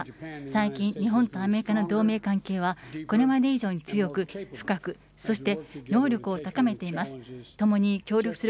最近、日本とアメリカの同盟関係は、これまで以上に強く、深く、そして能力を高めています。